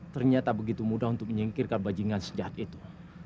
ternyata begitu mudah untuk menyingkirkan bajingan sejak itu